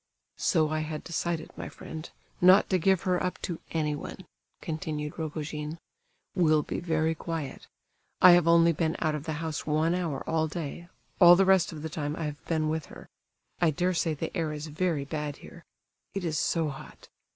"So I had decided, my friend; not to give her up to anyone," continued Rogojin. "We'll be very quiet. I have only been out of the house one hour all day, all the rest of the time I have been with her. I dare say the air is very bad here. It is so hot.